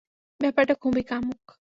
ব্যাপারটা খুবই কামুক।